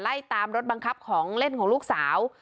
ไล่ตามรถบังคับของเล่นของลูกสาว